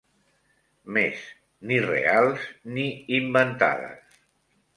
Mes, ni reals ni inventades